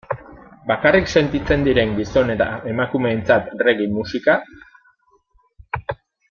Bakarrik sentitzen diren gizon eta emakumeentzat reggae musika?